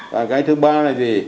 và cái thứ ba là gì